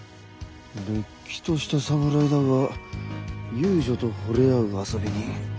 れっきとした侍だが遊女と惚れ合う遊び人。